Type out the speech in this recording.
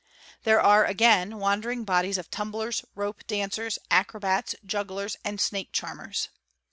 There are, again, wandering bodies of tumblers, rope dancers, acrobats, jugglers, and |: z snake charmers.